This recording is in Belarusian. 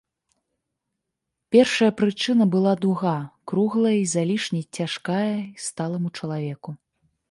Першая прычына была дуга, круглая й залішне цяжкая й сталаму чалавеку.